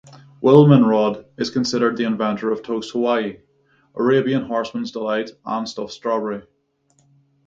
Wilmenrod is considered the inventor of Toast Hawaii, "Arabian Horseman's Delight" and "stuffed strawberry".